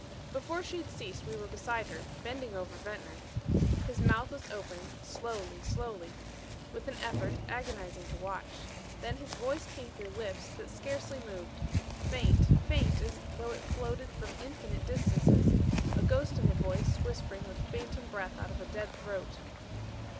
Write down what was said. Before she had ceased we were beside her; bending over Ventnor. His mouth was opening, slowly, slowly with an effort agonizing to watch. Then his voice came through lips that scarcely moved; faint, faint as though it floated from infinite distances, a ghost of a voice whispering with phantom breath out of a dead throat.